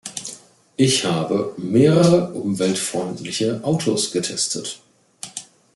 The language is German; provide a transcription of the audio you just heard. Ich habe mehrere umweltfreundliche Autos getestet.